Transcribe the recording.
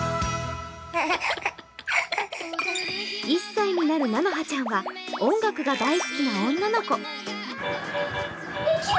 １歳になる、なのはちゃんは音楽だ大好きな女の子。